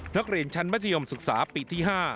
นักเรียนชั้นมัธยมศึกษาปีที่๕